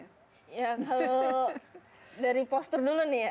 ya kalau dari postur dulu nih ya